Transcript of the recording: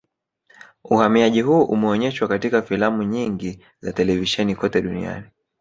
Uhamiaji huu umeoneshwa katika filamu nyingi za televisheni kote duniani